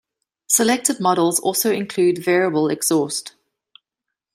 Selected models also include variable exhaust.